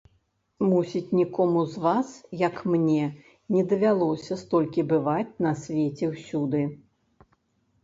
Мусіць, нікому з вас, як мне, не давялося столькі бываць на свеце ўсюды.